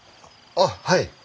あっはい。